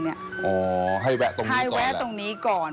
อ๋อให้แวะตรงนี้ก่อน